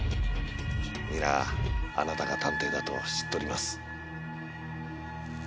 皆あなたが探偵だと知っとります。